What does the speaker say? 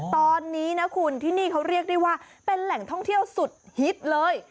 ตอนนี้นะคุณที่นี่เขาเรียกได้ว่าเป็นแหล่งท่องเที่ยวสุดฮิตเลย